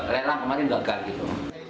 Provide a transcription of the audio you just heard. lelang kemarin gagal gitu